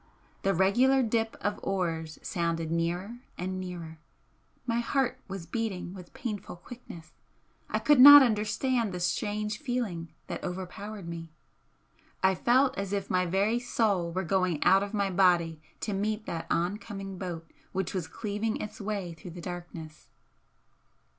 The regular dip of oars sounded nearer and nearer. My heart was beating with painful quickness, I could not understand the strange feeling that overpowered me. I felt as if my very soul were going out of my body to meet that oncoming boat which was cleaving its way through the darkness.